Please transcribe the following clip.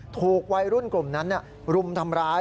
ถูกวัยรุ่นกลุ่มนั้นรุมทำร้าย